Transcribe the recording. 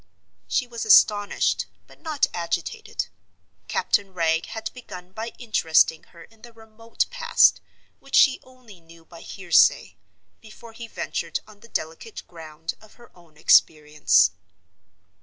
She was astonished, but not agitated. Captain Wragge had begun by interesting her in the remote past, which she only knew by hearsay, before he ventured on the delicate ground of her own experience.